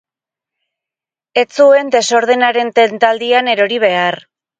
Ez zuen desordenaren tentaldian erori behar.